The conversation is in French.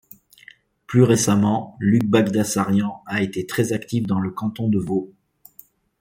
Plus récemment, Luc Baghdassarian a été très actif dans le canton de Vaud.